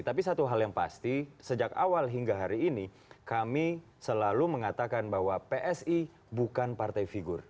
tapi satu hal yang pasti sejak awal hingga hari ini kami selalu mengatakan bahwa psi bukan partai figur